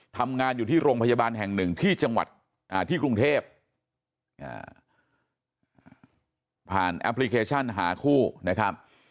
ทำงานอยู่ที่โรงพยาบาลแห่งหนึ่งที่จังหวัดที่กรุงเทพผ่านแอปพลิเคชันหาคู่นะครับ